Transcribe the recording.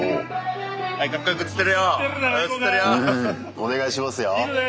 お願いしますよ。